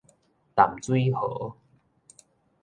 淡水河